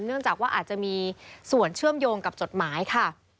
เนื่องจากว่าอาจจะมีส่วนเชื่อมโยงกับจดหมายค่ะ